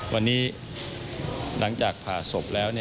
วันนี้หลังจากผ่าศพแล้ว